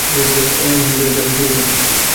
এ এমন এক বিদ্যা যার বেশির ভাগই সঠিক।